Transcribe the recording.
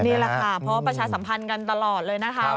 นี่แหละค่ะเพราะประชาสัมพันธ์กันตลอดเลยนะคะ